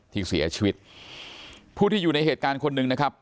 ที่เสียชีวิตผู้ที่อยู่ในเหตุการณ์คนหนึ่งนะครับ